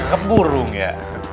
ke burung ya